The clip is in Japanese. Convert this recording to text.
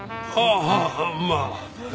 ああまあ。